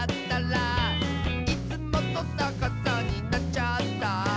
「いつもとさかさになっちゃった」